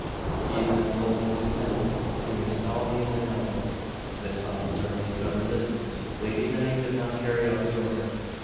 He then told his lieutenant to install me in the Nello. This officer made some resistance, pleading that he could not carry out the order.